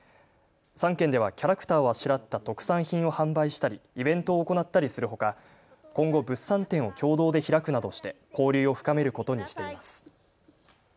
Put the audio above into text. ３県ではキャラクターをあしらった特産品を販売したりイベントを行ったりするほか今後、物産展を共同で開くなどして交流を深めることにしています。